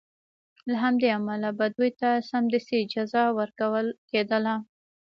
له همدې امله به دوی ته سمدستي جزا ورکول کېدله.